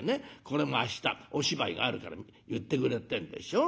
これも明日お芝居があるから結ってくれってえんでしょ。